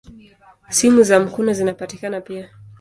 Simu za mkono zinapatikana pia.